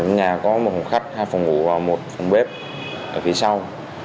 nhà có một phòng khách hai phòng ngủ và một phòng bếp ở phía sau